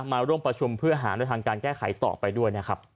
มาร่วมประชุมเพื่อหาในทางการแก้ไขต่อไปด้วยนะครับ